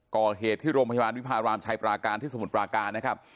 ก่อเหตุที่โรงพยาบาลวิพารามชายปราการที่สมุทรปราการนะครับ